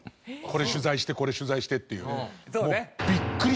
これ取材してこれ取材してっていう。